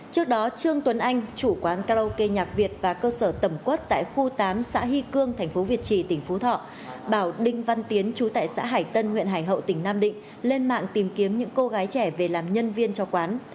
trước đó trương tuấn anh chủ quán karaoke nhạc việt và cơ sở tẩm quất tại khu tám xã hy cương tp việt trì tỉnh phú thọ bảo đinh văn tiến chú tại xã hải tân huyện hải hậu tỉnh nam định lên mạng tìm kiếm những cô gái trẻ về làm nhân viên cho quán